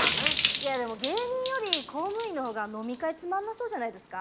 いやでも芸人より公務員の方が飲み会つまんなそうじゃないですか？